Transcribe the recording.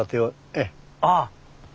ええ。ああ。